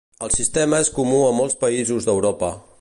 El sistema és comú a molts països d'Europa.